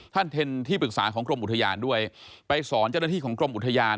ท่านเทนที่ปรึกษาของกรมอุทยานด้วยไปสอนเจ้าหน้าที่ของกรมอุทยาน